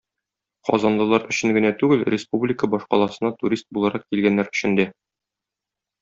Казанлылар өчен генә түгел, республика башкаласына турист буларак килгәннәр өчен дә.